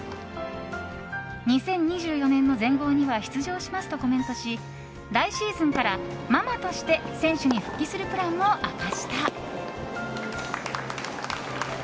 ２０２４年の全豪には出場しますとコメントし来シーズンからママとして選手に復帰するプランも明かした。